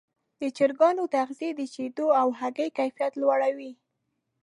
د چرګانو تغذیه د شیدو او هګیو کیفیت لوړوي.